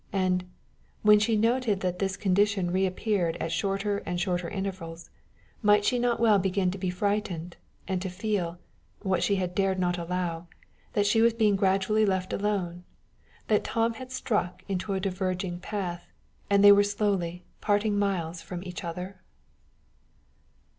and, when she noted that this condition reappeared at shorter and shorter intervals, might she not well begin to be frightened, and to feel, what she dared not allow, that she was being gradually left alone that Tom had struck into a diverging path, and they were slowing parting miles from each other?